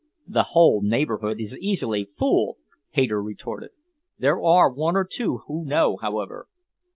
"The whole neighbourhood is easily fooled," Hayter retorted. "There are one or two who know, however."